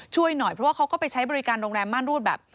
ช่วยหน่อยเพราะว่าเขาก็ไปใช้บริการโรงแรมม่านรูดแบบ